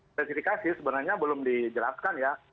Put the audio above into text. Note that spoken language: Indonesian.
spesifikasi sebenarnya belum dijelaskan ya